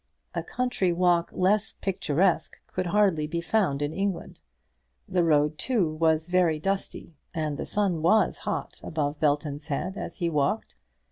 A country walk less picturesque could hardly be found in England. The road, too, was very dusty, and the sun was hot above Belton's head as he walked.